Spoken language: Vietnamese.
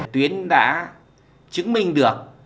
tuyến đã chứng minh được